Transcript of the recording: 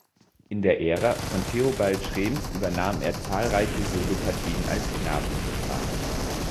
In der Ära von Theobald Schrems übernahm er zahlreiche Solopartien als Knabensopran.